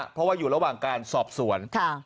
เพราะว่าอยู่ระหว่างการสอบสวน